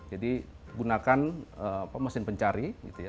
jadi gunakan mesin pencari gitu